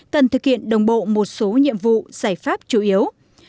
cần thực hiện đồng bộ một số nhiệm vụ giải pháp chủ yếu